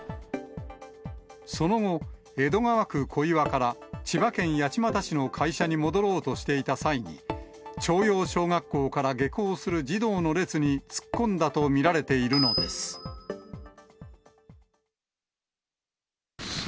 その後、江戸川区小岩から千葉県八街市の会社に戻ろうとしていた際に、朝陽小学校から下校する児童の列に突っ込んだと見られているのです。